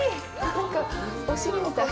なんか、お尻みたい。